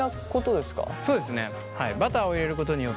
そうですね。